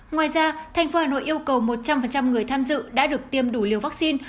ngoài ra thành phố hà nội yêu cầu một trăm linh người tham dự đã được tiêm đủ liều vaccine